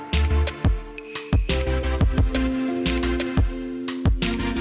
ditutup dengan empat ratus